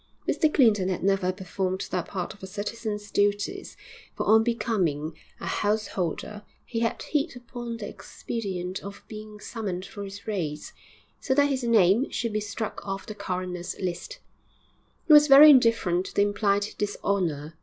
Mr Clinton had never performed that part of a citizen's duties, for on becoming a householder he had hit upon the expedient of being summoned for his rates, so that his name should be struck off the coroner's list; he was very indifferent to the implied dishonour.